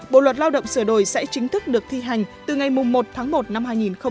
bộ luật lao động sửa đổi sẽ chính thức được thi hành từ ngày một tháng một năm hai nghìn hai mươi